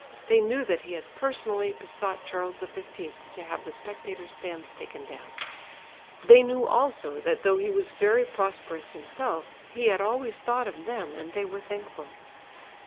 They knew that he had personally besought Charles XV to have the spectators' stands taken down; they knew also, that though he was very prosperous himself, he had always thought of them and they were thankful.